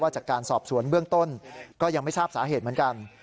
จากการสอบสวนเบื้องต้นก็ยังไม่ทราบสาเหตุเหมือนกัน